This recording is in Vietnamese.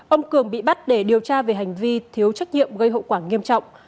ông cường bị bắt để điều tra về hành vi thiếu trách nhiệm gây hậu quả nghiêm trọng